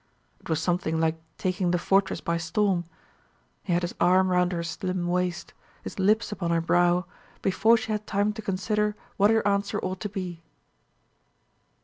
It was something like taking the fortress by storm. He had his arm round her slim waist, his lips upon her brow, before she had time to consider what her answer ought to be.